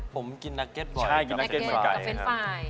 ผมกินนักเก็ตบ่อยนักเก็ตกับเฟนต์ไฟล์